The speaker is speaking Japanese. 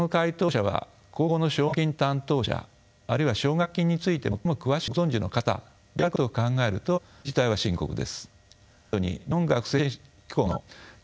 この回答者は高校の奨学金担当者あるいは奨学金について最も詳しくご存じの方であることを考えると事態は深刻です。